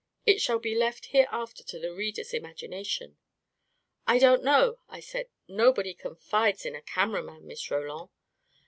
It shall be left here after to the reader's imagination. " I don't know," I said. " Nobody confides in a cameraman, Miss Roland."